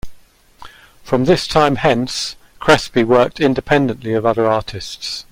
From this time hence, Crespi worked independently of other artists.